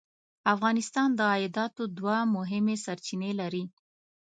افغانستان د عایداتو دوه مهمې سرچینې لري.